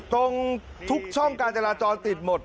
ทุกช่องการจราจรติดหมด